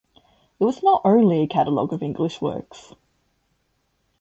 It was not only a catalogue of English works.